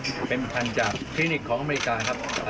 ความขันจากคลินิคของอเมริกาครับ